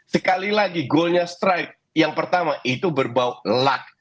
sekali lagi goalnya strike yang pertama itu berbau luck